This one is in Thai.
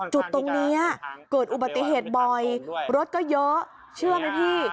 จุดตรงนี้เกิดอุบัติเหตุบ่อยรถก็เยอะเชื่อไหมพี่